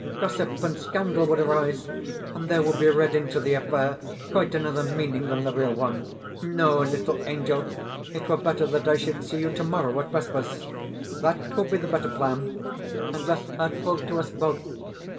Gossip and scandal would arise, and there would be read into the affair quite another meaning than the real one. No, little angel, it were better that I should see you tomorrow at Vespers. That will be the better plan, and less hurtful to us both.